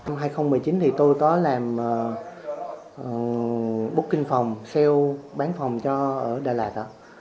năm hai nghìn một mươi chín thì tôi có làm booking phòng sale bán phòng cho ở đà lạt